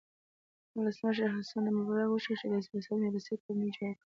ولسمشر حسن مبارک غوښتل چې د سیاست میراثي کورنۍ جوړه کړي.